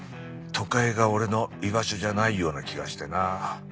都会が俺の居場所じゃないような気がしてな。